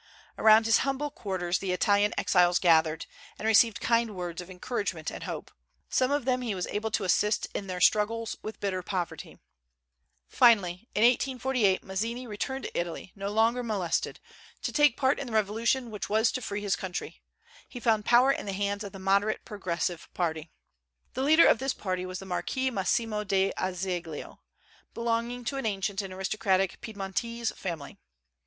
Around his humble quarters the Italian exiles gathered, and received kind words of encouragement and hope; some of them he was able to assist in their struggles with bitter poverty. Finally, in 1848, Mazzini returned to Italy, no longer molested, to take part in the revolution which was to free his country. He found power in the hands of the moderate progressive party. The leader of this party was the Marquis Massimo d'Azeglio, belonging to an ancient and aristocratic Piedmontese family.